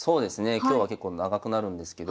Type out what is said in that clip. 今日は結構長くなるんですけど。